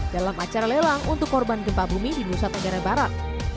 dalam acara lelang untuk korban gempa bumi di nusa tenggara barat